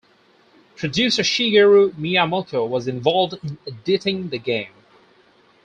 Producer Shigeru Miyamoto was involved in editing the game.